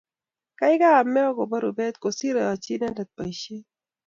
geigei amee agoba rubet kosiir ayochi inendet boishet